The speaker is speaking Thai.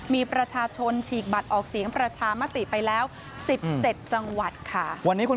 มีประชาชนฉีกบัตรออกเสียงประชามติไปแล้ว๑๗จังหวัดค่ะ